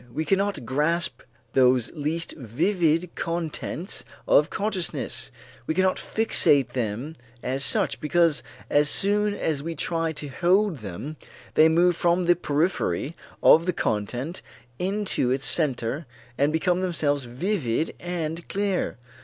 We cannot grasp those least vivid contents of consciousness, we cannot fixate them as such, because as soon as we try to hold them, they move from the periphery of the content into its center and become themselves vivid and clear.